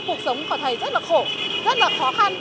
cuộc sống của thầy rất là khổ rất là khó khăn